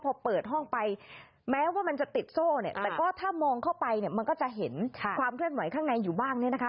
พอเปิดห้องไปแม้ว่ามันจะติดโซ่เนี่ยแต่ก็ถ้ามองเข้าไปเนี่ยมันก็จะเห็นความเคลื่อนไหวข้างในอยู่บ้างเนี่ยนะคะ